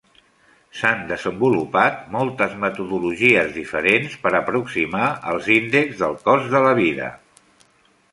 S'han desenvolupat moltes metodologies diferents per aproximar els índexs del cost de la vida.